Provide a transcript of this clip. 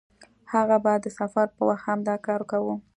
هغه به د سفر په وخت هم دا کار کاوه.